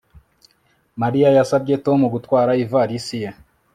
Mariya yasabye Tom gutwara ivalisi ye